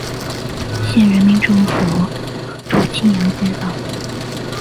县人民政府驻青阳街道。